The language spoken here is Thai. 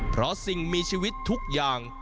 เพราะสิ่งมีชีวิตทุกอย่าง